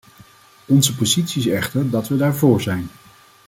Onze positie is echter dat we daar vóór zijn.